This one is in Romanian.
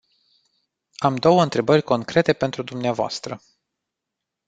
Am două întrebări concrete pentru dumneavoastră.